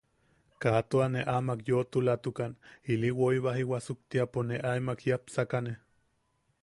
Kaa tua ne amak yoʼotulatukan, ili woi bai wasuktiapo ne aemak jiapsakane.